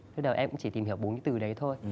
lúc đầu em cũng chỉ tìm hiểu bốn cái từ đấy thôi